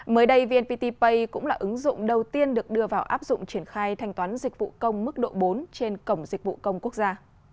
mới đây vnpt pay cũng là ứng dụng đầu tiên được đưa vào áp dụng triển khai thanh toán dịch vụ công mức độ bốn trên cổng dịch vụ công quốc gia